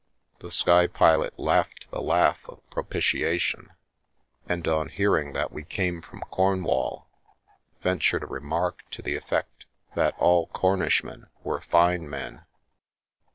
" The sky pilot laughed the laugh of propitiation, and on hearing that we came from Cornwall, ventured a remark to the effect that all Cornishmen were fine men.